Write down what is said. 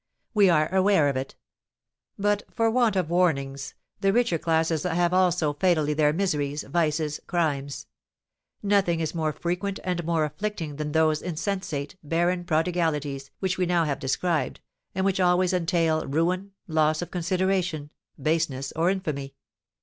We are aware of it. But for want of warnings, the richer classes have also fatally their miseries, vices, crimes. Nothing is more frequent and more afflicting than those insensate, barren prodigalities which we have now described, and which always entail ruin, loss of consideration, baseness, or infamy.